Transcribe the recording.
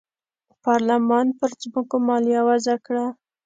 پارلمان پر ځمکو مالیه وضعه کړه.